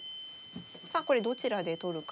さあこれどちらで取るか。